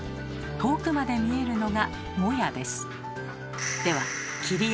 遠くまで見えるのがもやです。